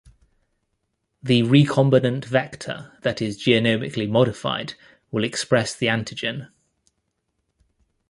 The recombinant vector that is genomically modified will express the antigen.